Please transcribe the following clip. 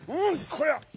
こりゃ。